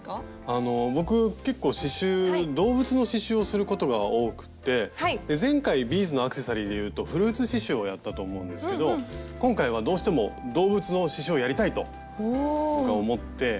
あの僕結構刺しゅう動物の刺しゅうをすることが多くってで前回ビーズのアクセサリーでいうと「フルーツ刺しゅう」をやったと思うんですけど今回はどうしても動物の刺しゅうをやりたいと僕は思って。